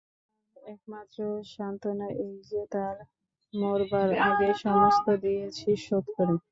আমার একমাত্র সান্ত্বনা এই যে, তাঁর মরবার আগেই সমস্ত দিয়েছি শোধ করে।